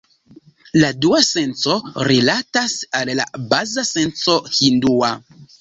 La dua senco rilatas al la baza senco hindua.